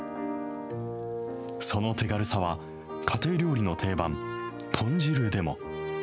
その手軽さは、家庭料理の定番、豚汁でも。